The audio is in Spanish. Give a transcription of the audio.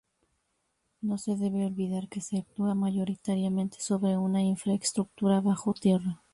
No se debe olvidar que se actúa mayoritariamente sobre una infraestructura bajo tierra.